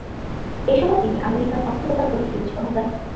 এসময় তিনি আমেরিকান অস্থিরতার প্রতীক বিবেচিত হতেন।